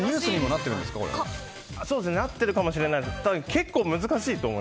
なってるかもしれないです。